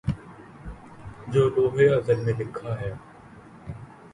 جو لوح ازل میں لکھا ہے